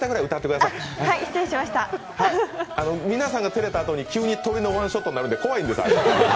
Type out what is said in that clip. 皆さんが照れたあとに急に鳥のワンショットになるんで怖いんです。